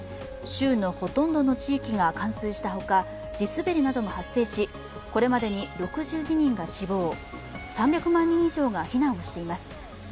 州のほとんどの地域が冠水したほか、地滑りなども発生し、これまでに６２人が死亡、３００万人以上が避難をしています。